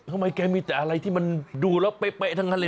ทำไมแกมีอะไรที่มันดูแล้วเป๊ะทั้งแรง